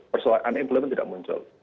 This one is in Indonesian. persoalan unemployment tidak muncul